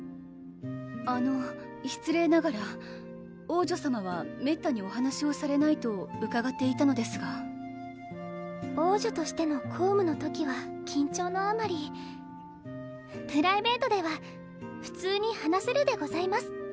あの失礼ながら王女さまはめったにお話をされないとうかがっていたのですが王女としての公務の時は緊張のあまりプライベートでは普通に話せるでございます